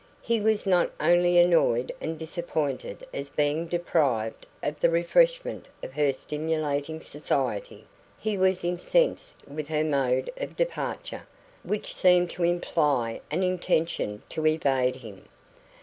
He was not only annoyed and disappointed at being deprived of the refreshment of her stimulating society; he was incensed with her mode of departure, which seemed to imply an intention to evade him.